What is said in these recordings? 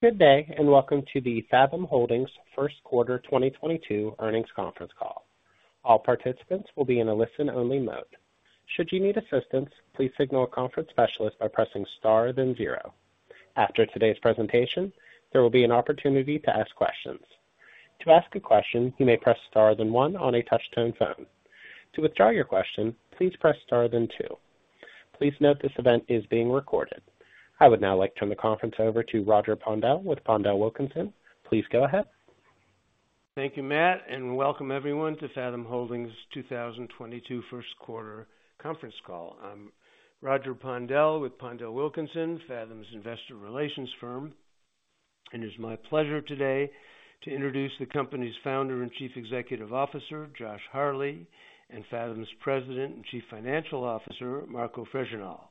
Good day, and welcome to the Fathom Holdings first quarter 2022 earnings conference call. All participants will be in a listen-only mode. Should you need assistance, please signal a conference specialist by pressing Star, then zero. After today's presentation, there will be an opportunity to ask questions. To ask a question, you may press Star then one on a touch-tone phone. To withdraw your question, please press Star then two. Please note this event is being recorded. I would now like to turn the conference over to Roger Pondel with PondelWilkinson. Please go ahead. Thank you, Matt, and welcome everyone to Fathom Holdings 2022 first quarter conference call. I'm Roger Pondel with PondelWilkinson, Fathom's investor relations firm. It is my pleasure today to introduce the company's founder and Chief Executive Officer, Josh Harley, and Fathom's President and Chief Financial Officer, Marco Fregenal.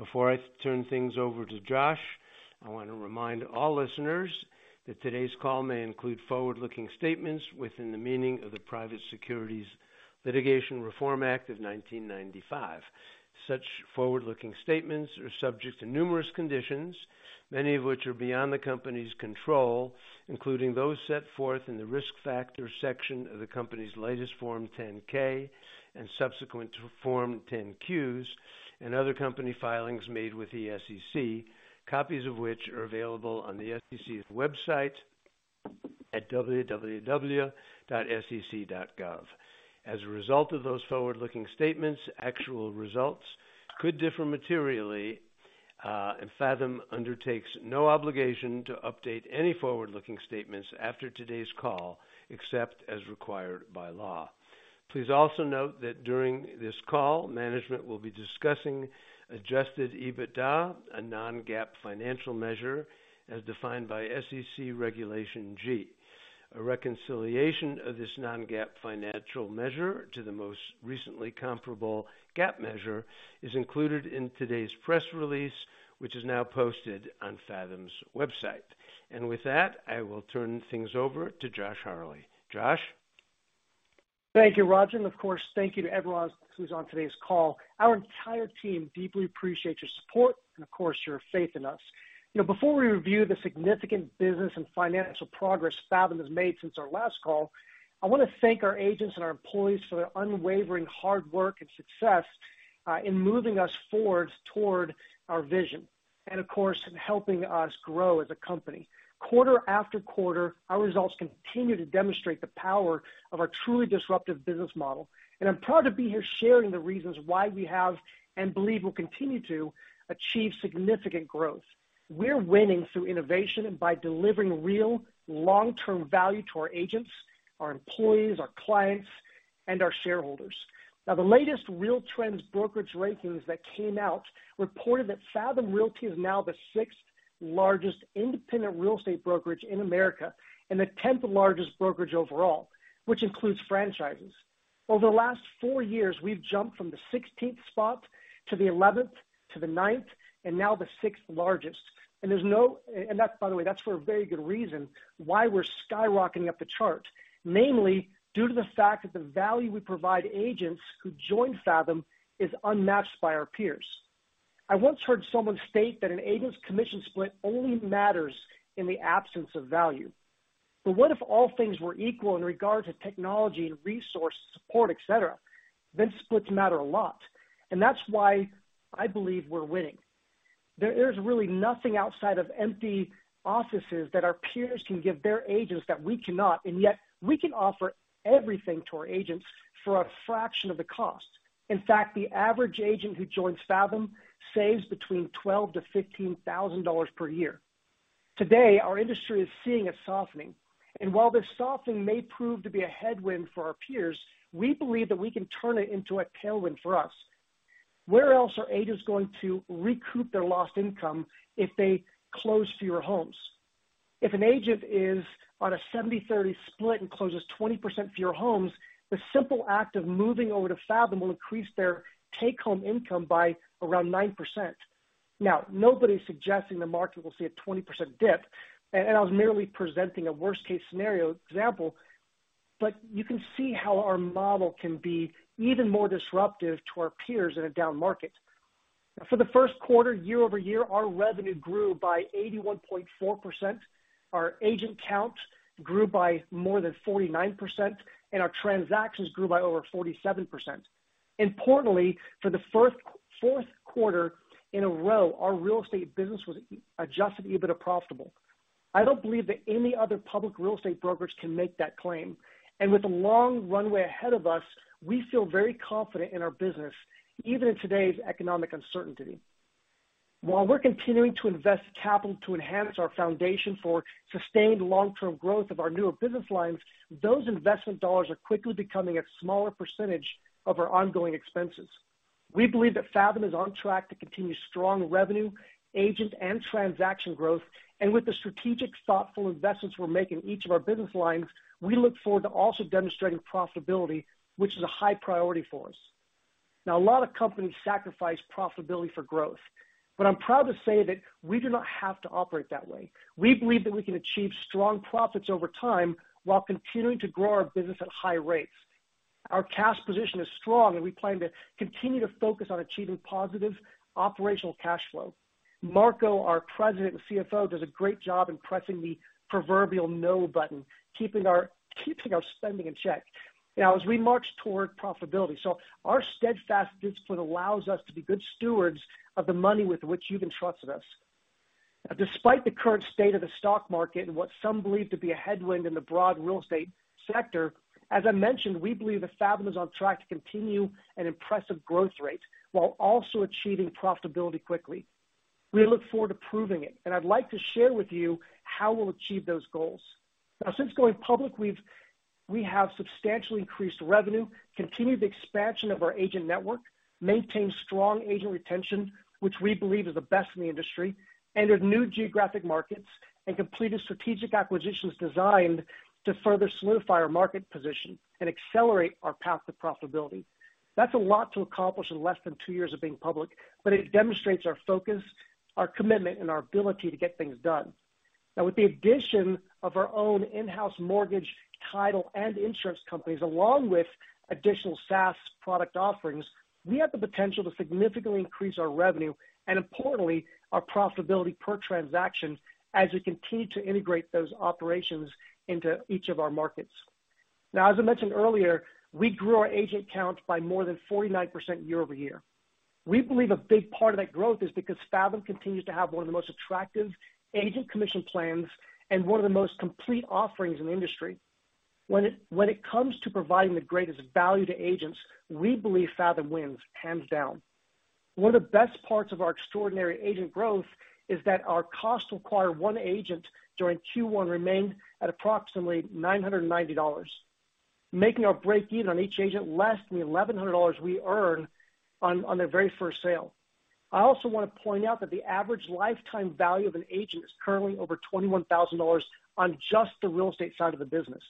Before I turn things over to Josh, I want to remind all listeners that today's call may include forward-looking statements within the meaning of the Private Securities Litigation Reform Act of 1995. Such forward-looking statements are subject to numerous conditions, many of which are beyond the company's control, including those set forth in the Risk Factors section of the company's latest Form 10-K and subsequent Form 10-Qs and other company filings made with the SEC, copies of which are available on the SEC's website at www.sec.gov. As a result of those forward-looking statements, actual results could differ materially, and Fathom undertakes no obligation to update any forward-looking statements after today's call, except as required by law. Please also note that during this call, management will be discussing adjusted EBITDA, a non-GAAP financial measure, as defined by SEC Regulation G. A reconciliation of this non-GAAP financial measure to the most recently comparable GAAP measure is included in today's press release, which is now posted on Fathom's website. With that, I will turn things over to Josh Harley. Josh? Thank you, Roger, and of course, thank you to everyone who's on today's call. Our entire team deeply appreciate your support and of course, your faith in us. You know, before we review the significant business and financial progress Fathom has made since our last call, I want to thank our agents and our employees for their unwavering hard work and success, in moving us forward toward our vision and of course, in helping us grow as a company. Quarter after quarter, our results continue to demonstrate the power of our truly disruptive business model. I'm proud to be here sharing the reasons why we have, and believe we'll continue to, achieve significant growth. We're winning through innovation and by delivering real long-term value to our agents, our employees, our clients, and our shareholders. Now, the latest RealTrends brokerage rankings that came out reported that Fathom Realty is now the sixth largest independent real estate brokerage in America, and the tenth-largest brokerage overall, which includes franchises. Over the last four years, we've jumped from the sixteenth spot to the eleventh to the ninth, and now the sixth largest. That's by the way, that's for a very good reason why we're skyrocketing up the chart, namely due to the fact that the value we provide agents who join Fathom is unmatched by our peers. I once heard someone state that an agent's commission split only matters in the absence of value. What if all things were equal in regard to technology and resource support, et cetera? Splits matter a lot. That's why I believe we're winning. There's really nothing outside of empty offices that our peers can give their agents that we cannot, and yet we can offer everything to our agents for a fraction of the cost. In fact, the average agent who joins Fathom saves between $12,000-$15,000 per year. Today, our industry is seeing a softening. While this softening may prove to be a headwind for our peers, we believe that we can turn it into a tailwind for us. Where else are agents going to recoup their lost income if they close fewer homes? If an agent is on a 70-30 split and closes 20% fewer homes, the simple act of moving over to Fathom will increase their take-home income by around 9%. Now, nobody's suggesting the market will see a 20% dip, and I was merely presenting a worst-case scenario example, but you can see how our model can be even more disruptive to our peers in a down market. For the first quarter, year over year, our revenue grew by 81.4%. Our agent count grew by more than 49%, and our transactions grew by over 47%. Importantly, for the first-fourth quarter in a row, our real estate business was adjusted EBITDA profitable. I don't believe that any other public real estate brokerage can make that claim. And with a long runway ahead of us, we feel very confident in our business, even in today's economic uncertainty. While we're continuing to invest capital to enhance our foundation for sustained long-term growth of our newer business lines, those investment dollars are quickly becoming a smaller percentage of our ongoing expenses. We believe that Fathom is on track to continue strong revenue, agent, and transaction growth. And with the strategic thoughtful investments we're making in each of our business lines, we look forward to also demonstrating profitability, which is a high priority for us. Now, a lot of companies sacrifice profitability for growth, but I'm proud to say that we do not have to operate that way. We believe that we can achieve strong profits over time while continuing to grow our business at high rates. Our cash position is strong, and we plan to continue to focus on achieving positive operational cash flow. Marco, our President and CFO, does a great job in pressing the proverbial no button, keeping our spending in check. Now as we march toward profitability. Our steadfast discipline allows us to be good stewards of the money with which you've entrusted us. Despite the current state of the stock market and what some believe to be a headwind in the broad real estate sector, as I mentioned, we believe that Fathom is on track to continue an impressive growth rate while also achieving profitability quickly. We look forward to proving it, and I'd like to share with you how we'll achieve those goals. Now, since going public, we have substantially increased revenue, continued the expansion of our agent network, maintained strong agent retention, which we believe is the best in the industry, entered new geographic markets and completed strategic acquisitions designed to further solidify our market position and accelerate our path to profitability. That's a lot to accomplish in less than two years of being public, but it demonstrates our focus, our commitment, and our ability to get things done. Now, with the addition of our own in-house mortgage, title, and insurance companies, along with additional SaaS product offerings, we have the potential to significantly increase our revenue and importantly, our profitability per transaction as we continue to integrate those operations into each of our markets. Now, as I mentioned earlier, we grew our agent count by more than 49% year-over-year. We believe a big part of that growth is because Fathom continues to have one of the most attractive agent commission plans and one of the most complete offerings in the industry. When it comes to providing the greatest value to agents, we believe Fathom wins hands down. One of the best parts of our extraordinary agent growth is that our cost to acquire one agent during Q1 remained at approximately $990, making our break even on each agent less than the $1,100 we earn on their very first sale. I also want to point out that the average lifetime value of an agent is currently over $21,000 on just the real estate side of the business.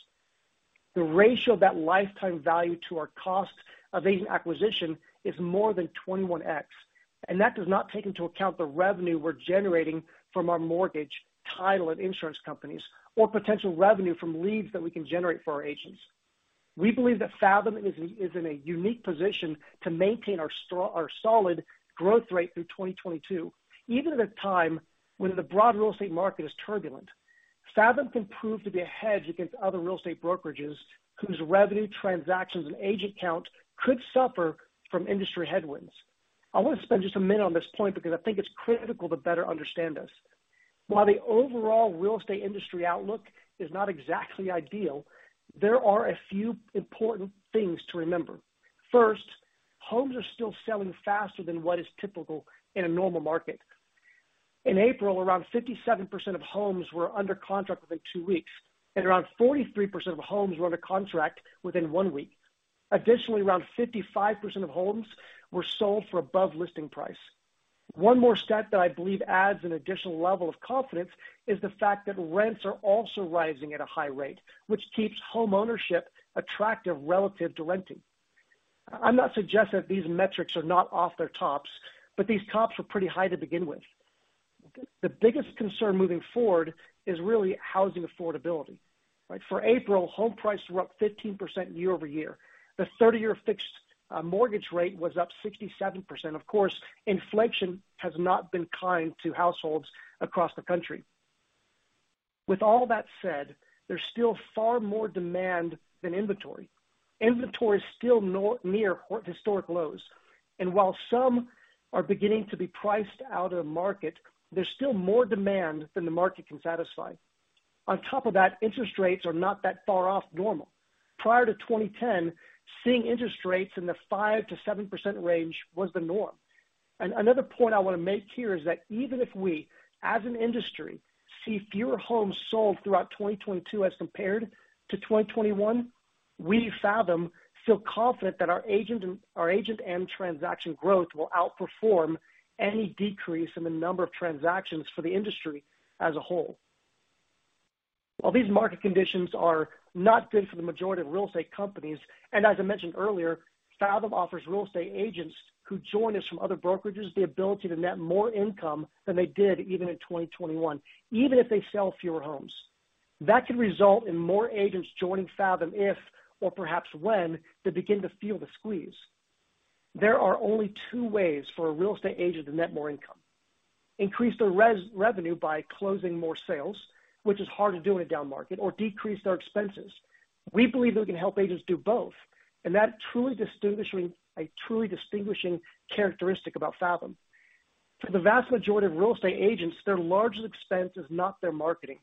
The ratio of that lifetime value to our cost of agent acquisition is more than 21x, and that does not take into account the revenue we're generating from our mortgage, title, and insurance companies, or potential revenue from leads that we can generate for our agents. We believe that Fathom is in a unique position to maintain our solid growth rate through 2022, even at a time when the broad real estate market is turbulent. Fathom can prove to be a hedge against other real estate brokerages whose revenue, transactions, and agent count could suffer from industry headwinds. I want to spend just a minute on this point because I think it's critical to better understand this. While the overall real estate industry outlook is not exactly ideal, there are a few important things to remember. First, homes are still selling faster than what is typical in a normal market. In April, around 57% of homes were under contract within two weeks, and around 43% of homes were under contract within one week. Additionally, around 55% of homes were sold for above listing price. One more stat that I believe adds an additional level of confidence is the fact that rents are also rising at a high rate, which keeps homeownership attractive relative to renting. I'm not suggesting these metrics are not off their tops, but these tops were pretty high to begin with. The biggest concern moving forward is really housing affordability, right? For April, home prices were up 15% year-over-year. The 30-year fixed mortgage rate was up 67%. Of course, inflation has not been kind to households across the country. With all that said, there's still far more demand than inventory. Inventory is still not near historic lows, and while some are beginning to be priced out of the market, there's still more demand than the market can satisfy. On top of that, interest rates are not that far off normal. Prior to 2010, seeing interest rates in the 5%-7% range was the norm. Another point I want to make here is that even if we as an industry see fewer homes sold throughout 2022 as compared to 2021, we Fathom feel confident that our agent and transaction growth will outperform any decrease in the number of transactions for the industry as a whole. While these market conditions are not good for the majority of real estate companies, and as I mentioned earlier, Fathom offers real estate agents who join us from other brokerages the ability to net more income than they did even in 2021, even if they sell fewer homes. That could result in more agents joining Fathom if or perhaps when they begin to feel the squeeze. There are only two ways for a real estate agent to net more income: increase their revenue by closing more sales, which is hard to do in a down market, or decrease their expenses. We believe we can help agents do both, and that a truly distinguishing characteristic about Fathom. For the vast majority of real estate agents, their largest expense is not their marketing.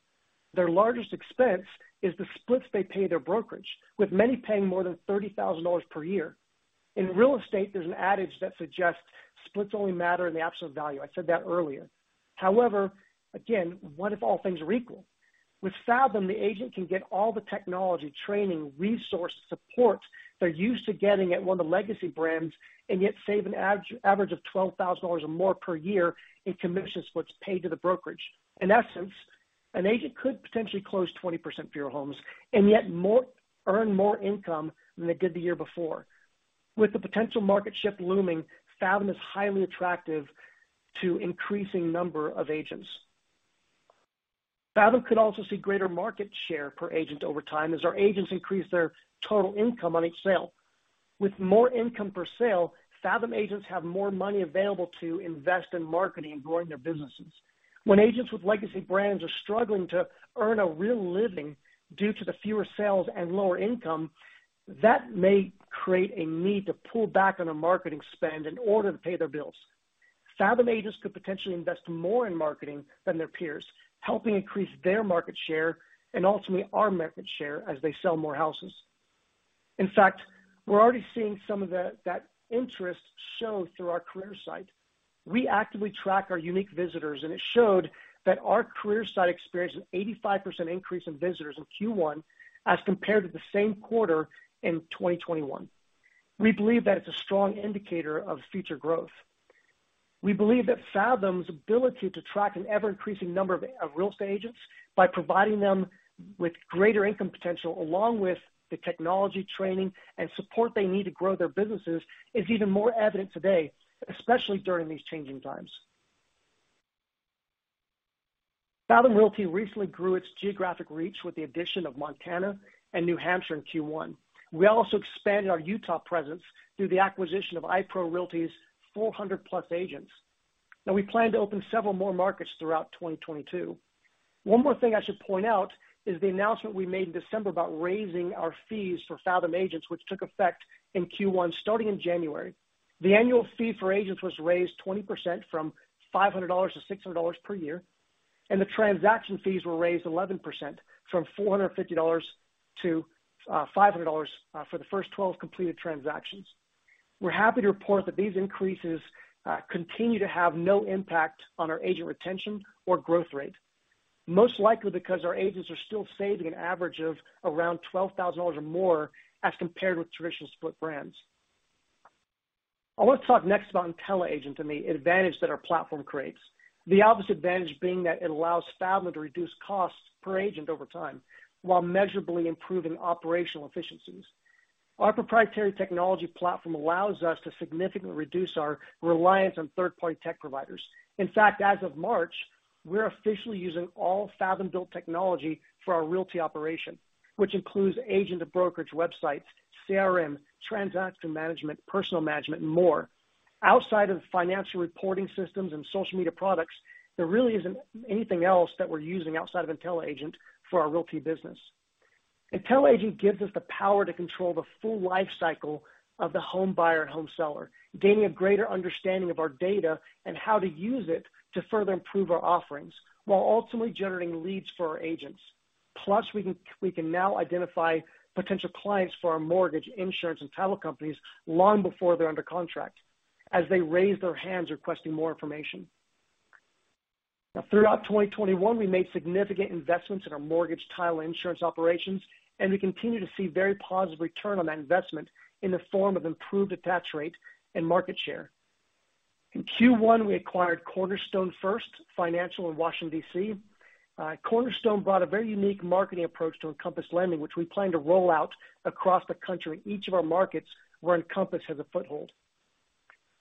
Their largest expense is the splits they pay their brokerage, with many paying more than $30,000 per year. In real estate, there's an adage that suggests splits only matter in the absolute value. I said that earlier. However, again, what if all things are equal? With Fathom, the agent can get all the technology, training, resources, support they're used to getting at one of the legacy brands and yet save an average of $12,000 or more per year in commission splits paid to the brokerage. In essence, an agent could potentially close 20% fewer homes and yet earn more income than they did the year before. With the potential market shift looming, Fathom is highly attractive to increasing number of agents. Fathom could also see greater market share per agent over time as our agents increase their total income on each sale. With more income per sale, Fathom agents have more money available to invest in marketing and growing their businesses. When agents with legacy brands are struggling to earn a real living due to the fewer sales and lower income, that may create a need to pull back on a marketing spend in order to pay their bills. Fathom agents could potentially invest more in marketing than their peers, helping increase their market share and ultimately our market share as they sell more houses. In fact, we're already seeing some of that interest shows through our career site. We actively track our unique visitors, and it showed that our career site experienced an 85% increase in visitors in Q1 as compared to the same quarter in 2021. We believe that it's a strong indicator of future growth. We believe that Fathom's ability to attract an ever-increasing number of real estate agents by providing them with greater income potential, along with the technology training and support they need to grow their businesses, is even more evident today, especially during these changing times. Fathom Realty recently grew its geographic reach with the addition of Montana and New Hampshire in Q1. We also expanded our Utah presence through the acquisition of iPro Realty's 400 plus agents. Now we plan to open several more markets throughout 2022. One more thing I should point out is the announcement we made in December about raising our fees for Fathom agents, which took effect in Q1, starting in January. The annual fee for agents was raised 20% from $500 to $600 per year, and the transaction fees were raised 11% from $450 to $500 for the first 12 completed transactions. We're happy to report that these increases continue to have no impact on our agent retention or growth rate, most likely because our agents are still saving an average of around $12,000 or more as compared with traditional split brands. I want to talk next about intelliAgent and the advantage that our platform creates. The obvious advantage being that it allows Fathom to reduce costs per agent over time while measurably improving operational efficiencies. Our proprietary technology platform allows us to significantly reduce our reliance on third-party tech providers. In fact, as of March, we're officially using all Fathom-built technology for our realty operation, which includes agent and brokerage websites, CRM, transaction management, personnel management, and more. Outside of financial reporting systems and social media products, there really isn't anything else that we're using outside of intelliAgent for our realty business. intelliAgent gives us the power to control the full life cycle of the home buyer and home seller, gaining a greater understanding of our data and how to use it to further improve our offerings while ultimately generating leads for our agents. Plus, we can now identify potential clients for our mortgage, insurance, and title companies long before they're under contract, as they raise their hands requesting more information. Now, throughout 2021, we made significant investments in our mortgage, title, and insurance operations, and we continue to see very positive return on that investment in the form of improved attach rate and market share. In Q1, we acquired Cornerstone First Financial in Washington, DC. Cornerstone brought a very unique marketing approach to Encompass Lending, which we plan to roll out across the country in each of our markets where Encompass has a foothold.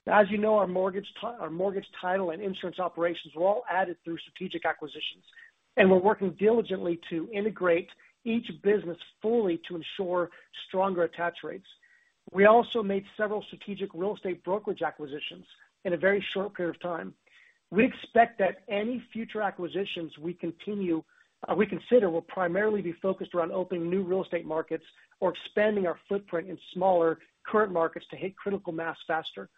As you know, our mortgage, title, and insurance operations were all added through strategic acquisitions, and we're working diligently to integrate each business fully to ensure stronger attach rates. We also made several strategic real estate brokerage acquisitions in a very short period of time. We expect that any future acquisitions we continue to consider will primarily be focused around opening new real estate markets or expanding our footprint in smaller current markets to hit critical mass faster.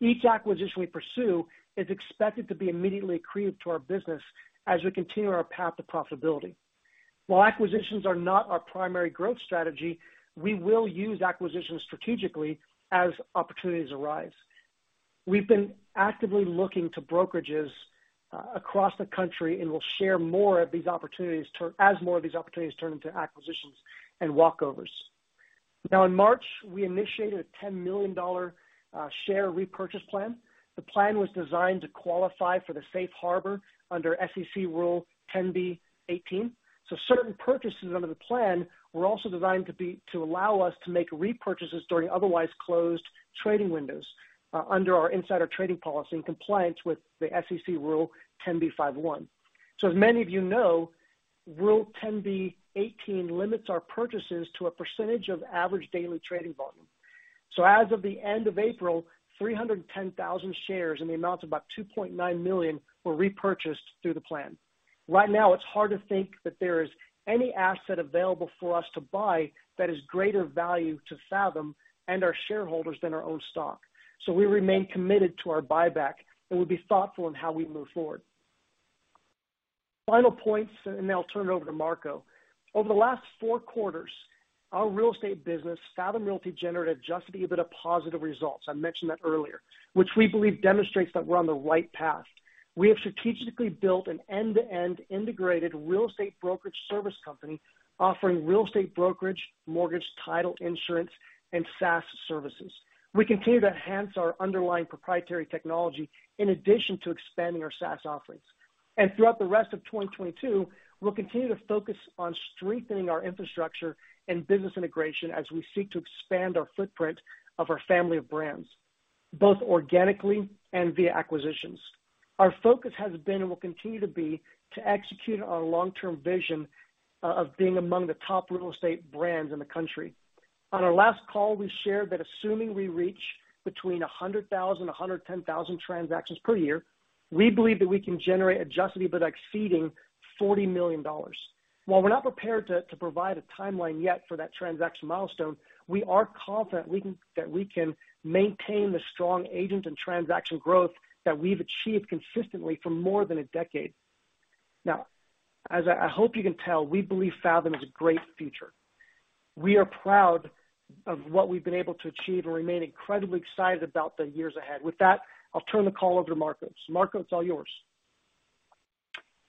Each acquisition we pursue is expected to be immediately accretive to our business as we continue our path to profitability. While acquisitions are not our primary growth strategy, we will use acquisitions strategically as opportunities arise. We've been actively looking to brokerages across the country, and we'll share more of these opportunities as more of these opportunities turn into acquisitions and takeovers. Now in March, we initiated a $10 million share repurchase plan. The plan was designed to qualify for the safe harbor under SEC Rule 10b-18. Certain purchases under the plan were also designed to allow us to make repurchases during otherwise closed trading windows under our insider trading policy in compliance with the SEC Rule 10b5-1. As many of you know, Rule 10b-18 limits our purchases to a percentage of average daily trading volume. As of the end of April, 310,000 shares in the amount of about $2.9 million were repurchased through the plan. Right now, it's hard to think that there is any asset available for us to buy that is greater value to Fathom and our shareholders than our own stock. We remain committed to our buyback, and we'll be thoughtful in how we move forward. Final points, and then I'll turn it over to Marco. Over the last four quarters, our real estate business, Fathom Realty, generated just a bit of positive results, I mentioned that earlier, which we believe demonstrates that we're on the right path. We have strategically built an end-to-end integrated real estate brokerage service company offering real estate brokerage, mortgage, title, insurance, and SaaS services. We continue to enhance our underlying proprietary technology in addition to expanding our SaaS offerings. Throughout the rest of 2022, we'll continue to focus on strengthening our infrastructure and business integration as we seek to expand our footprint of our family of brands. Both organically and via acquisitions. Our focus has been and will continue to be to execute our long-term vision, of being among the top real estate brands in the country. On our last call, we shared that assuming we reach between 100,000-110,000 transactions per year, we believe that we can generate adjusted EBITDA exceeding $40 million. While we're not prepared to provide a timeline yet for that transaction milestone, we are confident we can maintain the strong agent and transaction growth that we've achieved consistently for more than a decade. Now, as I hope you can tell, we believe Fathom has a great future. We are proud of what we've been able to achieve and remain incredibly excited about the years ahead. With that, I'll turn the call over to Marco. Marco, it's all yours.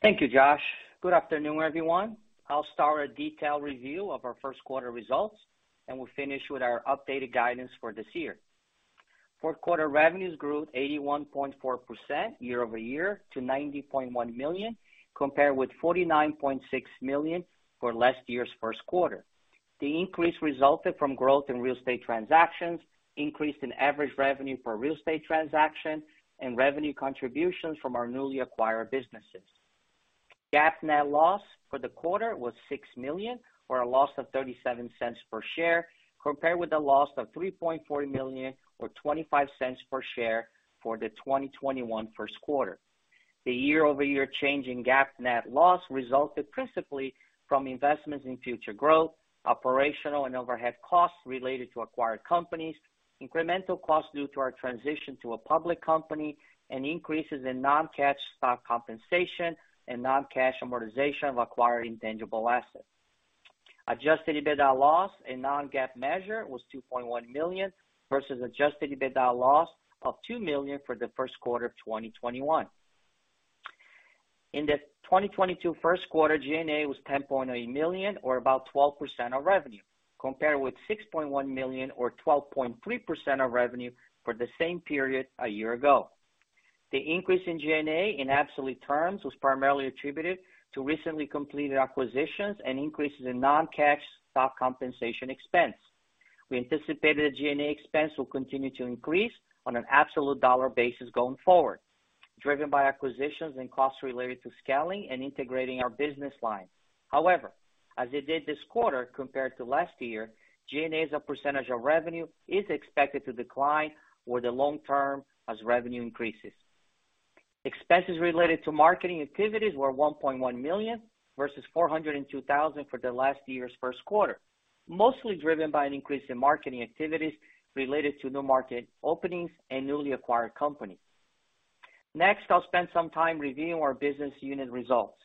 Thank you, Josh. Good afternoon, everyone. I'll start with a detailed review of our first quarter results, and we'll finish with our updated guidance for this year. First quarter revenues grew 81.4% year-over-year to $90.1 million, compared with $49.6 million for last year's first quarter. The increase resulted from growth in real estate transactions, increase in average revenue for real estate transaction, and revenue contributions from our newly acquired businesses. GAAP net loss for the quarter was $6 million or a loss of $0.37 per share, compared with a loss of $3.4 million or $0.25 per share for the 2021 first quarter. The year-over-year change in GAAP net loss resulted principally from investments in future growth, operational and overhead costs related to acquired companies, incremental costs due to our transition to a public company, and increases in non-cash stock compensation and non-cash amortization of acquired intangible assets. Adjusted EBITDA loss, a non-GAAP measure, was $2.1 million versus adjusted EBITDA loss of $2 million for the first quarter of 2021. In the 2022 first quarter, G&A was $10.8 million or about 12% of revenue, compared with $6.1 million or 12.3% of revenue for the same period a year ago. The increase in G&A in absolute terms was primarily attributed to recently completed acquisitions and increases in non-cash stock compensation expense. We anticipate that G&A expense will continue to increase on an absolute dollar basis going forward, driven by acquisitions and costs related to scaling and integrating our business lines. However, as it did this quarter compared to last year, G&A as a percentage of revenue is expected to decline over the long term as revenue increases. Expenses related to marketing activities were $1.1 million versus $402,000 for last year's first quarter, mostly driven by an increase in marketing activities related to new market openings and newly acquired companies. Next, I'll spend some time reviewing our business unit results.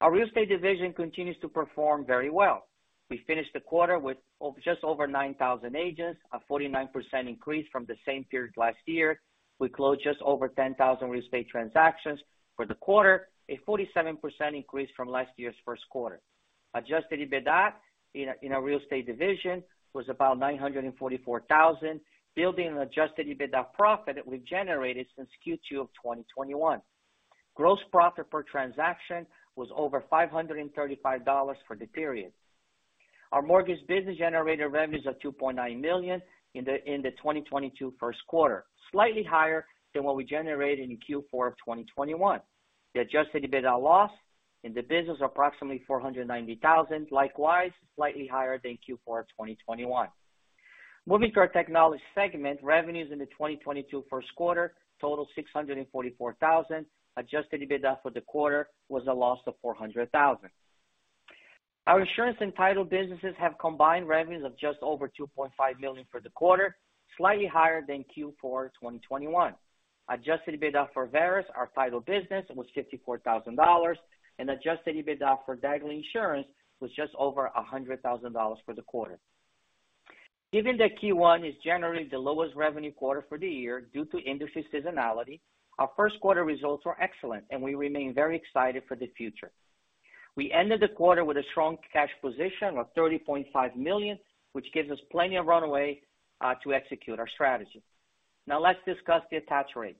Our real estate division continues to perform very well. We finished the quarter with just over 9,000 agents, a 49% increase from the same period last year. We closed just over 10,000 real estate transactions for the quarter, a 47% increase from last year's first quarter. Adjusted EBITDA in our real estate division was about $944,000, building on adjusted EBITDA profit that we've generated since Q2 of 2021. Gross profit per transaction was over $535 for the period. Our mortgage business generated revenues of $2.9 million in the 2022 first quarter, slightly higher than what we generated in Q4 of 2021. The adjusted EBITDA loss in the business approximately $490,000, likewise, slightly higher than Q4 of 2021. Moving to our technology segment, revenues in the 2022 first quarter totaled $644,000. Adjusted EBITDA for the quarter was a loss of $400,000. Our insurance and title businesses have combined revenues of just over $2.5 million for the quarter, slightly higher than Q4 2021. Adjusted EBITDA for Verus Title, our title business, was $54,000, and adjusted EBITDA for Dagley Insurance was just over $100,000 for the quarter. Given that Q1 is generally the lowest revenue quarter for the year due to industry seasonality, our first quarter results were excellent, and we remain very excited for the future. We ended the quarter with a strong cash position of $30.5 million, which gives us plenty of runway to execute our strategy. Now let's discuss the attach rate.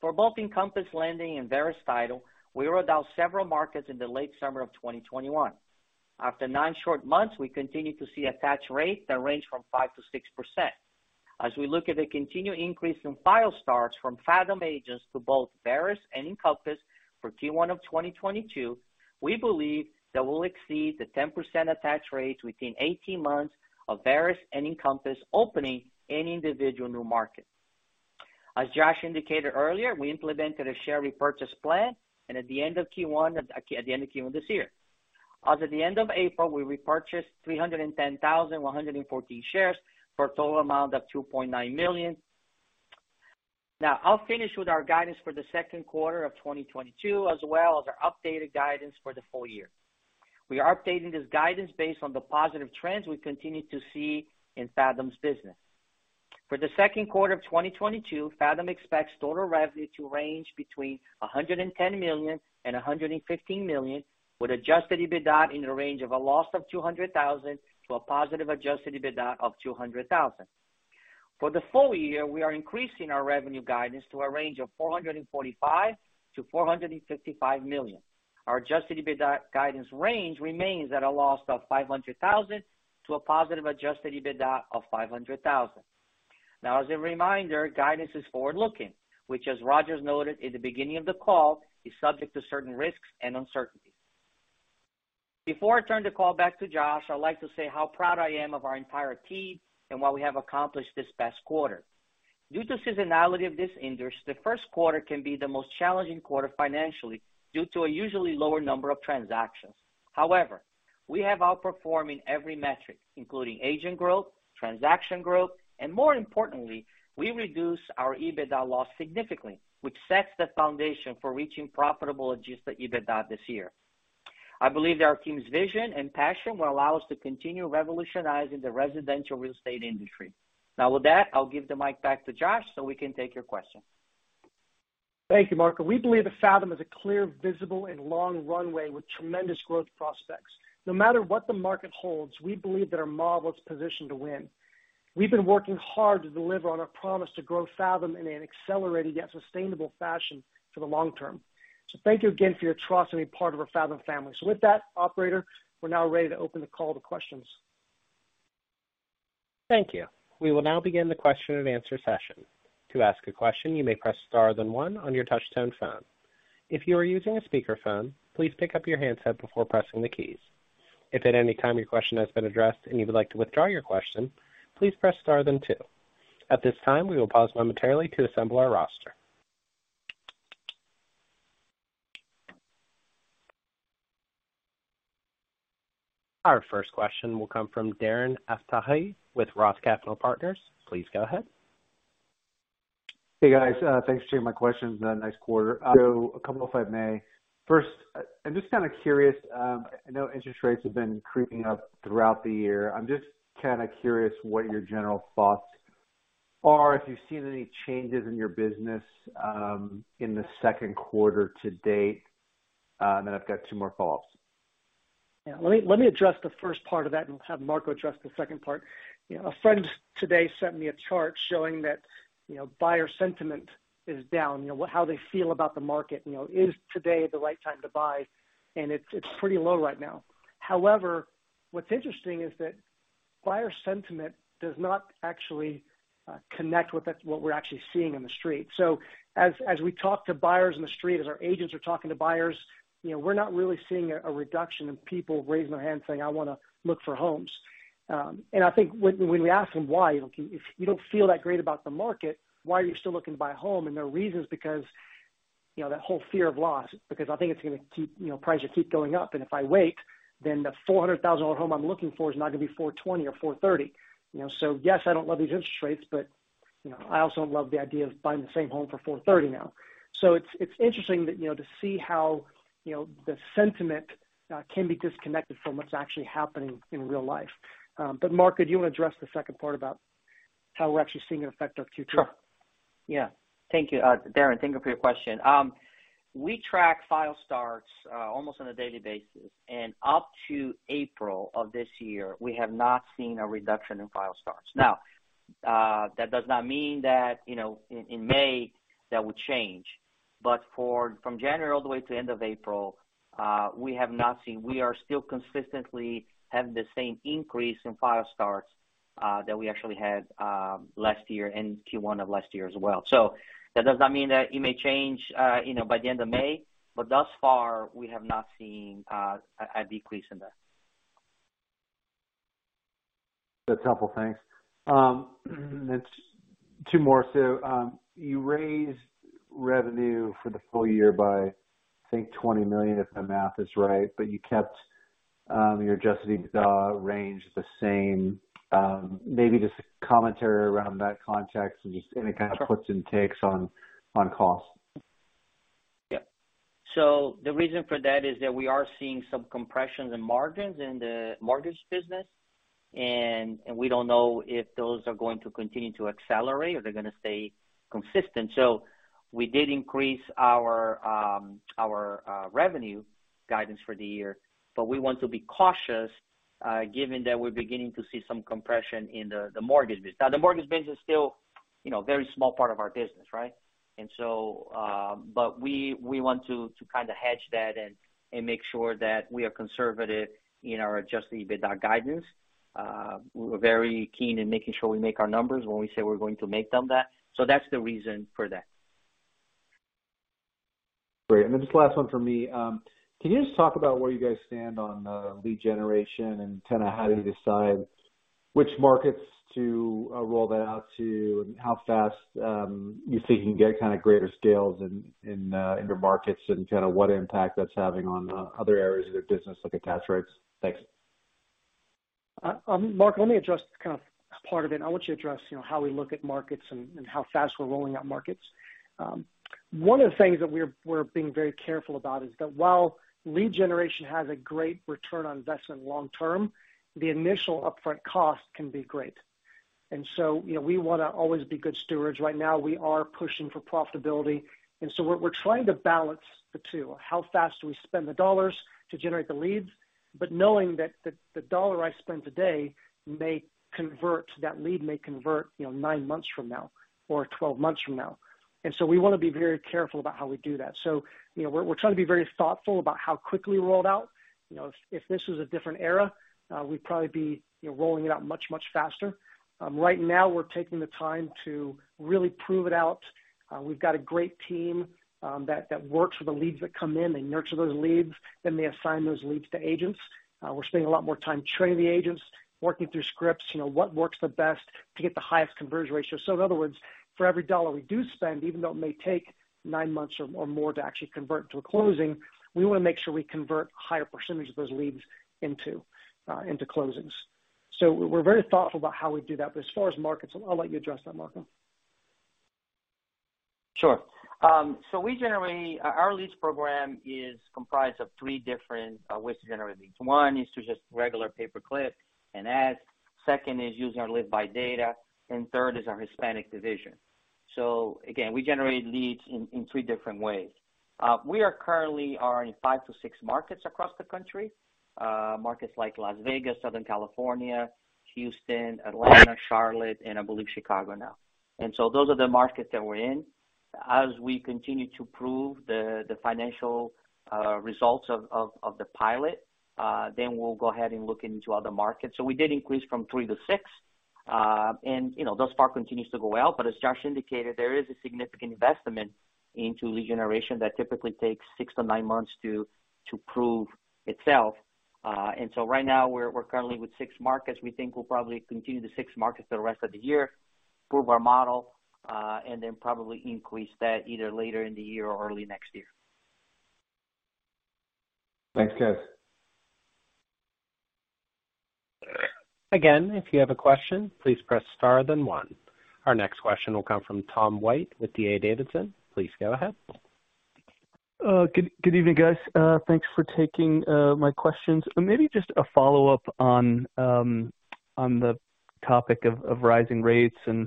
For both Encompass Lending and Verus Title, we rolled out several markets in the late summer of 2021. After nine short months, we continue to see attach rates that range from 5%-6%. As we look at a continued increase in file starts from Fathom agents to both Verus and Encompass for Q1 of 2022, we believe that we'll exceed the 10% attach rate within eighteen months of Verus and Encompass opening any individual new market. As Josh indicated earlier, we implemented a share repurchase plan, and at the end of Q1 this year. As of the end of April, we repurchased 310,114 shares for a total amount of $2.9 million. Now, I'll finish with our guidance for the second quarter of 2022, as well as our updated guidance for the full year. We are updating this guidance based on the positive trends we continue to see in Fathom's business. For the second quarter of 2022, Fathom expects total revenue to range between $110 million and $115 million, with adjusted EBITDA in the range of a loss of $200,000 to a positive adjusted EBITDA of $200,000. For the full year, we are increasing our revenue guidance to a range of $445 million-$455 million. Our adjusted EBITDA guidance range remains at a loss of $500,000 to a positive adjusted EBITDA of $500,000. Now as a reminder, guidance is forward-looking, which as Roger has noted in the beginning of the call, is subject to certain risks and uncertainties. Before I turn the call back to Josh, I'd like to say how proud I am of our entire team and what we have accomplished this past quarter. Due to seasonality of this industry, the first quarter can be the most challenging quarter financially due to a usually lower number of transactions. However, we are outperforming every metric, including agent growth, transaction growth, and more importantly, we reduced our EBITDA loss significantly, which sets the foundation for reaching profitable adjusted EBITDA this year. I believe that our team's vision and passion will allow us to continue revolutionizing the residential real estate industry. Now, with that, I'll give the mic back to Josh, so we can take your questions. Thank you, Marco. We believe that Fathom is a clear, visible, and long runway with tremendous growth prospects. No matter what the market holds, we believe that our model is positioned to win. We've been working hard to deliver on our promise to grow Fathom in an accelerated yet sustainable fashion for the long term. Thank you again for your trust and being part of our Fathom family. With that, operator, we're now ready to open the call to questions. Thank you. We will now begin the question and answer session. To ask a question, you may press star then one on your touch tone phone. If you are using a speaker phone, please pick up your handset before pressing the keys. If at any time your question has been addressed and you would like to withdraw your question, please press star then two. At this time, we will pause momentarily to assemble our roster. Our first question will come from Darren Aftahi with Roth Capital Partners. Please go ahead. Hey, guys. Thanks for taking my questions. Had a nice quarter. A couple if I may. First, I'm just kind of curious. I know interest rates have been creeping up throughout the year. I'm just kinda curious what your general thoughts are, if you've seen any changes in your business in the second quarter to date. I've got two more follow-ups. Yeah. Let me address the first part of that and have Marco address the second part. You know, a friend today sent me a chart showing that, you know, buyer sentiment is down. You know, how they feel about the market. You know, is today the right time to buy? It's pretty low right now. However, what's interesting is that buyer sentiment does not actually connect with that, what we're actually seeing on the street. As we talk to buyers in the street, as our agents are talking to buyers, you know, we're not really seeing a reduction in people raising their hands saying, "I wanna look for homes." I think when we ask them, "Why? If you don't feel that great about the market, why are you still looking to buy a home?" Their reason is because, you know, that whole fear of loss, because prices keep going up, and if I wait, then the $400,000 home I'm looking for is now gonna be $420 or $430. You know, so yes, I don't love these interest rates, but, you know, I also don't love the idea of buying the same home for $430 now. So it's interesting that, you know, to see how, you know, the sentiment can be disconnected from what's actually happening in real life. Marco, do you wanna address the second part about how we're actually seeing an effect of Q2? Sure. Yeah. Thank you. Darren, thank you for your question. We track file starts almost on a daily basis, and up to April of this year, we have not seen a reduction in file starts. Now, that does not mean that, you know, in May, that would change. From January all the way to end of April, we have not seen. We are still consistently having the same increase in file starts that we actually had last year and Q1 of last year as well. That does not mean that it may change, you know, by the end of May, but thus far we have not seen a decrease in that. That's helpful. Thanks. Two more. So, you raised revenue for the full year by, I think, $20 million, if my math is right, but you kept your adjusted EBITDA range the same. Maybe just a commentary around that context and just, any kind of puts and takes on costs. Yeah. The reason for that is that we are seeing some compression in margins in the mortgage business, and we don't know if those are going to continue to accelerate or they're gonna stay consistent. We did increase our revenue guidance for the year, but we want to be cautious, given that we're beginning to see some compression in the mortgage business. The mortgage business is still, you know, a very small part of our business, right? But we want to kind of hedge that and make sure that we are conservative in our adjusted EBITDA guidance. We're very keen in making sure we make our numbers when we say we're going to make them. That. That's the reason for that. Great. Just last one from me. Can you just talk about where you guys stand on lead generation and kinda how do you decide which markets to roll that out to, and how fast you think you can get kind of greater scales in your markets and kinda what impact that's having on other areas of your business, like attach rates? Thanks. Marco, let me address kind of part of it. I want you to address, you know, how we look at markets and how fast we're rolling out markets. One of the things that we're being very careful about is that while lead generation has a great return on investment long term, the initial upfront cost can be great. You know, we wanna always be good stewards. Right now, we are pushing for profitability, and so we're trying to balance the two. How fast do we spend the dollars to generate the leads? Knowing that the dollar I spend today may convert, that lead may convert, you know, nine months from now or 12 months from now. We want to be very careful about how we do that. You know, we're trying to be very thoughtful about how quickly we roll it out. You know, if this was a different era, we'd probably be, you know, rolling it out much faster. Right now we're taking the time to really prove it out. We've got a great team that works with the leads that come in. They nurture those leads, then they assign those leads to agents. We're spending a lot more time training the agents, working through scripts. You know, what works the best to get the highest conversion ratio. In other words, for every dollar we do spend, even though it may take nine months or more to actually convert to a closing, we want to make sure we convert a higher percentage of those leads into closings. We're very thoughtful about how we do that. As far as markets, I'll let you address that, Marco. Sure. We generally, our leads program is comprised of three different ways to generate leads. One is through just regular pay-per-click and ads. Second is using our LiveBy, and third is our Hispanic division. We generate leads in three different ways. We are currently in five to six markets across the country. Markets like Las Vegas, Southern California, Houston, Atlanta, Charlotte, and I believe Chicago now. Those are the markets that we're in. As we continue to prove the financial results of the pilot, then we'll go ahead and look into other markets. We did increase from three to six. You know, thus far continues to go well, but as Josh indicated, there is a significant investment into lead generation that typically takes six-nine months to prove itself. Right now we're currently with six markets. We think we'll probably continue the six markets for the rest of the year, prove our model, and then probably increase that either later in the year or early next year. Thanks, guys. Again, if you have a question, please press star then one. Our next question will come from Tom White with D.A. Davidson. Please go ahead. Good evening, guys. Thanks for taking my questions. Maybe just a follow-up on the topic of rising rates and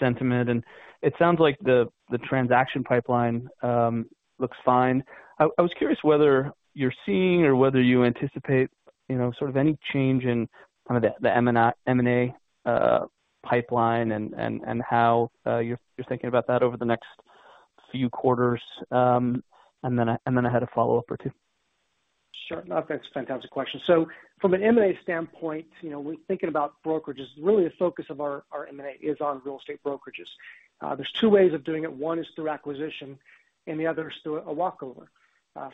sentiment. It sounds like the transaction pipeline looks fine. I was curious whether you're seeing or whether you anticipate, you know, sort of any change in kind of the M&A pipeline and how you're thinking about that over the next few quarters. I had a follow-up or two. Sure. No, that's fantastic question. From an M&A standpoint, you know, we're thinking about brokerages. Really the focus of our M&A is on real estate brokerages. There's two ways of doing it. One is through acquisition, and the other is through a walkover.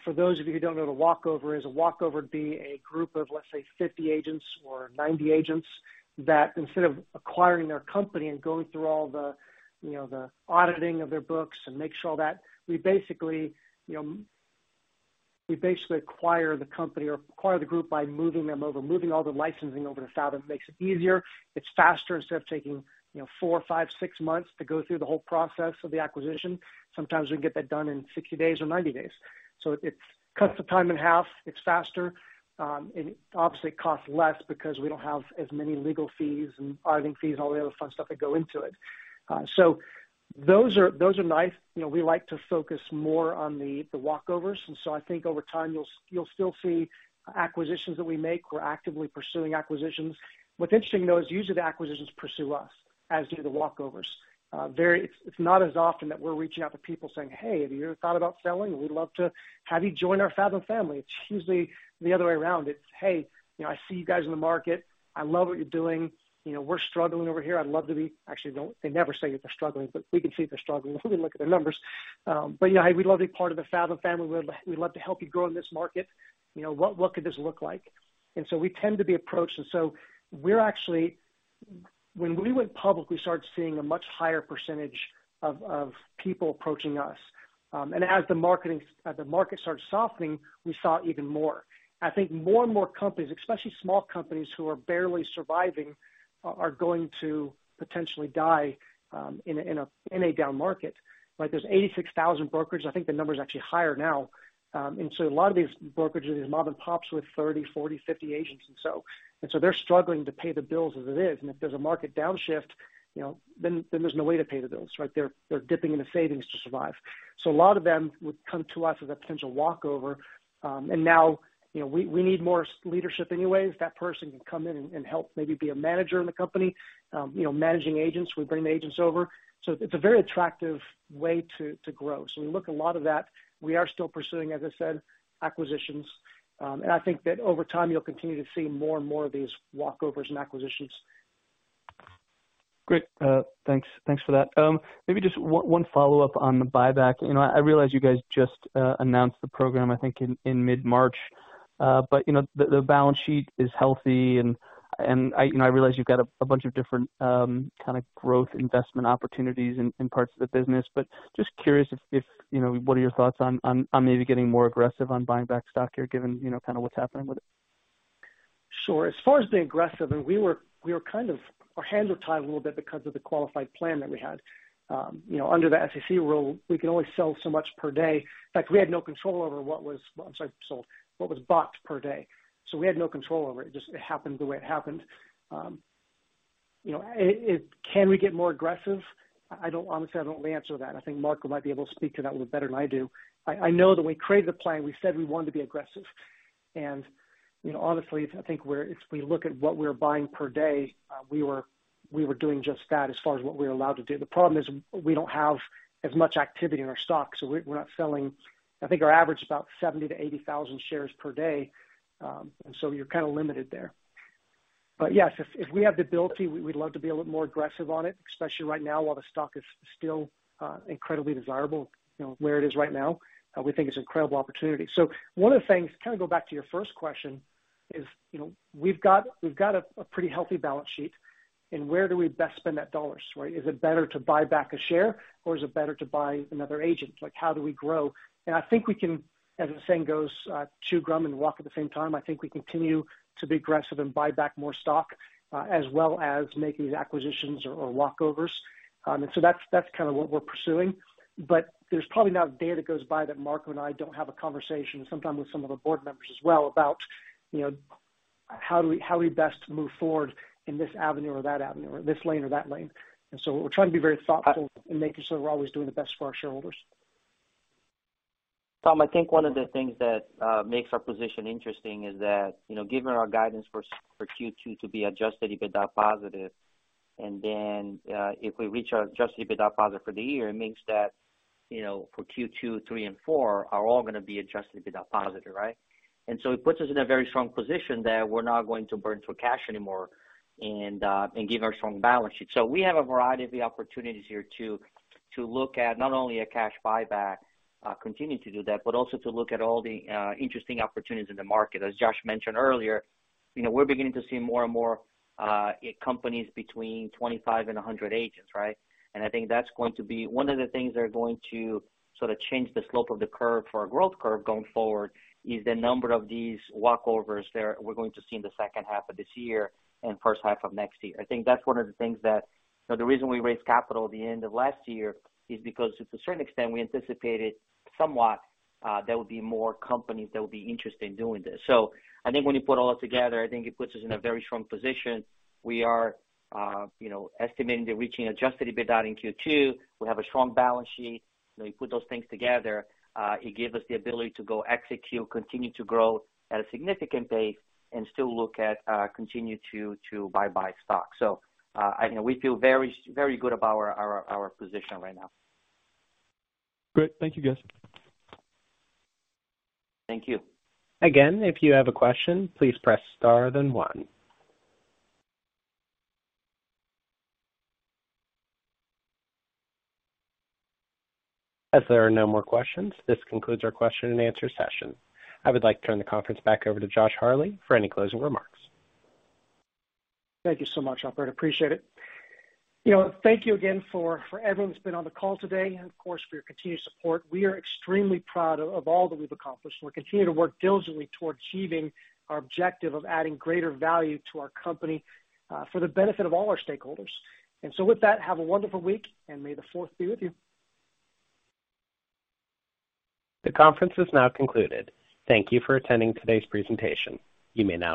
For those of you who don't know what a walkover is, a walkover would be a group of, let's say, 50 agents or 90 agents that instead of acquiring their company and going through all the, you know, the auditing of their books and make sure all that, we basically, you know, acquire the company or acquire the group by moving them over, moving all the licensing over to Fathom. It makes it easier. It's faster. Instead of taking, you know, four or five-six months to go through the whole process of the acquisition, sometimes we can get that done in 60 days or 90 days. So cuts the time in half, it's faster. Obviously it costs less because we don't have as many legal fees and auditing fees and all the other fun stuff that go into it. Those are nice. You know, we like to focus more on the walkovers. I think over time you'll still see acquisitions that we make. We're actively pursuing acquisitions. What's interesting, though, is usually the acquisitions pursue us, as do the walkovers. It's not as often that we're reaching out to people saying, "Hey, have you ever thought about selling? We'd love to have you join our Fathom family." It's usually the other way around. It's, "Hey, you know, I see you guys in the market. I love what you're doing. You know, we're struggling over here. I'd love to be..." Actually, they never say that they're struggling, but we can see they're struggling when we look at their numbers. But yeah, "We'd love to be part of the Fathom family. We'd love to help you grow in this market. You know, what could this look like?" We tend to be approached. We're actually. When we went public, we started seeing a much higher percentage of people approaching us. As the market started softening, we saw even more. I think more and more companies, especially small companies who are barely surviving, are going to potentially die in a down market, right? There's 86,000 brokers. I think the number is actually higher now. A lot of these brokerages, these mom and pops with 30, 40, 50 agents and so. They're struggling to pay the bills as it is. If there's a market downshift, you know, then there's no way to pay the bills, right? They're dipping into savings to survive. A lot of them would come to us as a potential walkover. You know, we need more leadership anyways. That person can come in and help maybe be a manager in the company. You know, managing agents. We bring the agents over. It's a very attractive way to grow. We like a lot of that. We are still pursuing, as I said, acquisitions. I think that over time you'll continue to see more and more of these takeovers and acquisitions. Great. Thanks for that. Maybe just one follow-up on the buyback. You know, I realize you guys just announced the program, I think in mid-March. But you know, the balance sheet is healthy, and I, you know, I realize you've got a bunch of different kind of growth investment opportunities in parts of the business. But just curious if, you know, what are your thoughts on maybe getting more aggressive on buying back stock here, given, you know, kind of what's happening with it? Sure. As far as the aggressive, our hands were tied a little bit because of the qualified plan that we had. You know, under the SEC rule, we can only sell so much per day. In fact, we had no control over what was sold. What was sold per day. So we had no control over it. Just, it happened the way it happened. You know, can we get more aggressive? I don't, honestly, I don't know the answer to that. I think Marco might be able to speak to that a little better than I do. I know that when we created the plan, we said we wanted to be aggressive. You know, honestly, I think if we look at what we're buying per day, we were doing just that as far as what we were allowed to do. The problem is we don't have as much activity in our stock, so we're not selling. I think our average is about 70-80 thousand shares per day. You're kind of limited there. But yes, if we have the ability, we'd love to be a little more aggressive on it, especially right now while the stock is still incredibly desirable, you know, where it is right now. We think it's an incredible opportunity. One of the things, kind of go back to your first question, is, you know, we've got a pretty healthy balance sheet and where do we best spend those dollars, right? Is it better to buy back a share or is it better to buy another agent? Like how do we grow? I think we can, as the saying goes, chew gum and walk at the same time. I think we continue to be aggressive and buy back more stock, as well as making these acquisitions or walkovers. That's kind of what we're pursuing. There's probably not a day that goes by that Marco and I don't have a conversation, sometimes with some of the board members as well, about, you know, how do we, how do we best move forward in this avenue or that avenue or this lane or that lane. We're trying to be very thoughtful in making sure we're always doing the best for our shareholders. Tom, I think one of the things that makes our position interesting is that, you know, given our guidance for Q2 to be adjusted EBITDA positive, and then if we reach our adjusted EBITDA positive for the year, it means that, you know, for Q2, Q3 and Q4 are all gonna be adjusted EBITDA positive, right? It puts us in a very strong position that we're not going to burn through cash anymore and give our strong balance sheet. We have a variety of the opportunities here to look at not only a cash buyback, continue to do that, but also to look at all the interesting opportunities in the market. As Josh mentioned earlier, you know, we're beginning to see more and more companies between 25-100 agents, right? I think that's going to be one of the things that are going to sort of change the slope of the curve for our growth curve going forward, is the number of these walkovers that we're going to see in the second half of this year and first half of next year. I think that's one of the things that. You know, the reason we raised capital at the end of last year is because to a certain extent we anticipated somewhat, there would be more companies that would be interested in doing this. I think when you put all that together, I think it puts us in a very strong position. We are, you know, estimating they're reaching adjusted EBITDA in Q2. We have a strong balance sheet. You know, you put those things together, it give us the ability to go execute, continue to grow at a significant pace and still look at continue to buy stock. So, I know we feel very, very good about our position right now. Great. Thank you, guys. Thank you. Again, if you have a question, please press star then one. As there are no more questions, this concludes our question and answer session. I would like to turn the conference back over to Josh Harley for any closing remarks. Thank you so much, Albert. I appreciate it. You know, thank you again for everyone that's been on the call today and of course for your continued support. We are extremely proud of all that we've accomplished, and we're continuing to work diligently toward achieving our objective of adding greater value to our company, for the benefit of all our stakeholders. With that, have a wonderful week and may the fourth be with you. The conference is now concluded. Thank you for attending today's presentation. You may now disconnect.